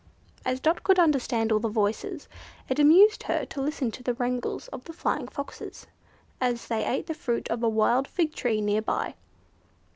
As Dot could understand all the voices, it amused her to listen to the wrangles of the Flying Foxes, as they ate the fruit of a wild fig tree near by.